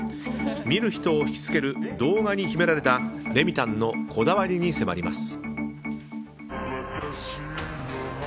見る人を引きつける動画に秘められたレミたんのこだわりに迫ります。